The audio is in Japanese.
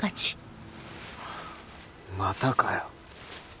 またかよ。